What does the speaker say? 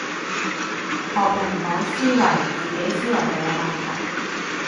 學人講思維，自己思維就有問題